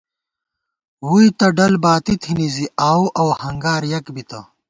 ووئی تہ ڈل باتی تھنی زی آؤو اؤ ہنگار یَک بِتہ